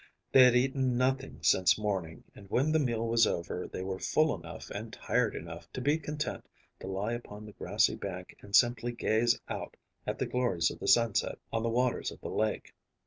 They had eaten nothing since morning, and, when the meal was over, they were full enough and tired enough to be content to lie upon the grassy bank and simply gaze out at the glories of the sunset on the waters of the lake.